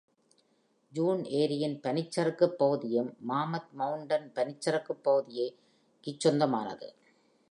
June ஏரியின் பனிச்சறுக்குப் பகுதியும் மாமத் மவுண்டன் பனிச்சறுக்குப் பகுதிக்குச் சொந்தமானது.